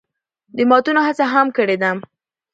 د ماتونو هڅه هم کړې ده